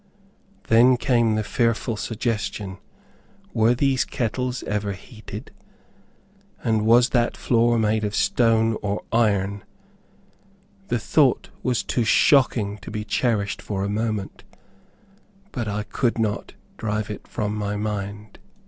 Then came the fearful suggestion, were these kettles ever heated? And was that floor made of stone or iron? The thought was too shocking to be cherished for a moment; but I could not drive it from my mind.